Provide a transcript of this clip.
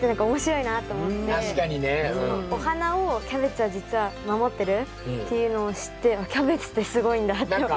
確かにね。お花をキャベツは実は守ってるっていうのを知ってキャベツってすごいんだって思いました。